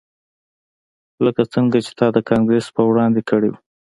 لکه څنګه چې تا د کانګرس په وړاندې کړي وو